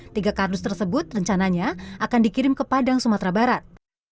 tiga kardus tersebut rencananya akan dikirim ke padang sumatera barat